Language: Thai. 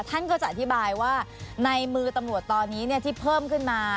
ท่านก็จะอธิบายว่าในมือตำรวจตอนนี้ที่เพิ่มขึ้นมา